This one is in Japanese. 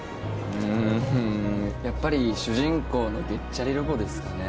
うんやっぱり主人公のゲッチャリロボですかね